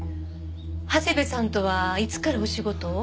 長谷部さんとはいつからお仕事を？